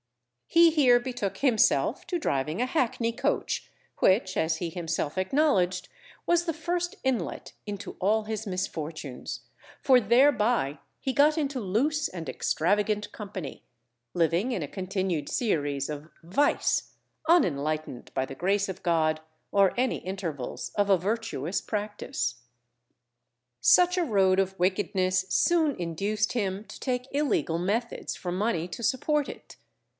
He here betook himself to driving a hackney coach, which, as he himself acknowledged, was the first inlet into all his misfortunes, for thereby he got into loose and extravagant company, living in a continued series of vice, unenlightened by the grace of God, or any intervals of a virtuous practice. Such a road of wickedness soon induced him to take illegal methods for money to support it.